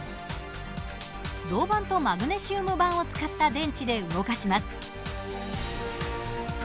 銅板とマグネシウム板を使った電池で動かします。